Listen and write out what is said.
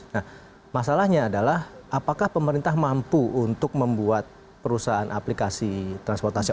nah masalahnya adalah apakah pemerintah mampu untuk membuat perusahaan aplikasi transportasi online